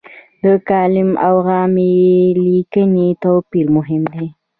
د کالم او عامې لیکنې توپیر مهم دی.